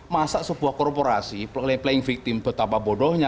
masa sebuah korporasi playing victim betapa bodohnya